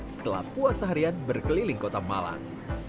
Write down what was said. setelah puas seharian berkeliling kota malang